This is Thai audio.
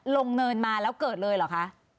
เนินมาแล้วเกิดเลยเหรอคะ